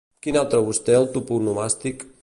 Quin altre ús té el toponomàstic?